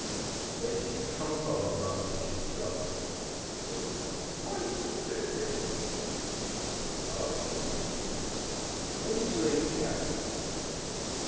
"Where did you come from?" demanded the chief, sharply. "From P Pine Tree D Diggin's." "Oh, indeed? When did you leave the camp?"